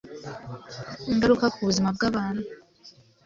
Ingaruka ku buzima bwabantu